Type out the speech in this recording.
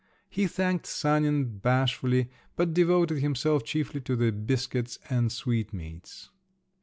He thanked Sanin bashfully, but devoted himself chiefly to the biscuits and sweetmeats.